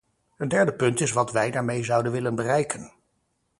Een derde punt is wat wij daarmee zouden willen bereiken.